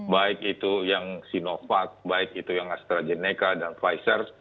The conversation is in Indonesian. baik itu yang sinovac baik itu yang astrazeneca dan pfizer